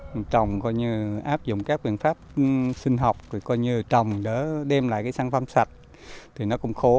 mình trồng coi như áp dụng các quyền pháp sinh học coi như trồng để đem lại cái sản phẩm sạch thì nó cũng khổ